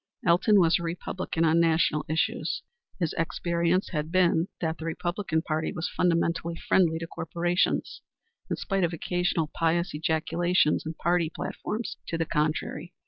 Elton was a Republican on national issues. His experience had been that the Republican Party was fundamentally friendly to corporations, in spite of occasional pious ejaculations in party platforms to the contrary.